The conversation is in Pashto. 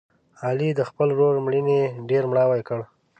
علي د خپل ورور مړینې ډېر مړاوی کړ.